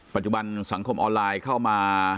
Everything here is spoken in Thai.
ปัจจุบันสังคมออนไลน์เข้ามา